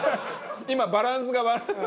今バランスが悪い！